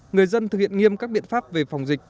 người dân thực hiện nghiêm các biện pháp về phòng dịch